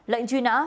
lệnh truy nã